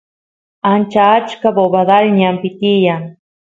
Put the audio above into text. ancha achka bobadal ñanpi tiyan